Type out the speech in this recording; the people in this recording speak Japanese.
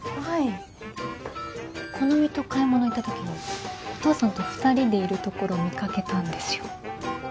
はい好美と買い物行ったときにお父さんと二人でいるところを見かけたんですよ